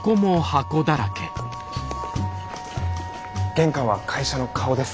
玄関は会社の顔です。